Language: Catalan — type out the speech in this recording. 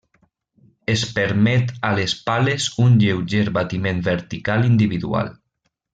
Es permet a les pales un lleuger batiment vertical individual.